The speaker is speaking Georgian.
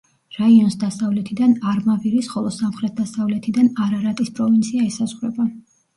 რაიონს დასავლეთიდან არმავირის ხოლო სამხრეთ-დასავლეთიდან არარატის პროვინცია ესაზღვრება.